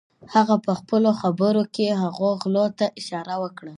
هغه پهخپلو خبرو کې هغو غلو ته اشاره وکړه.